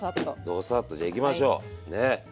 ドサッとじゃあいきましょうね。